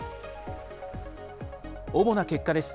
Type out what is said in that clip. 主な結果です。